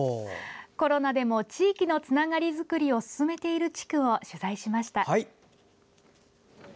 コロナでも地域のつながりづくりを進めている地区を取材しました。